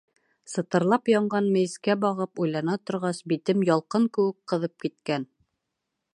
Сытырлап янған мейескә бағып, уйлана торғас, битем ялҡын кеүек ҡыҙып киткән.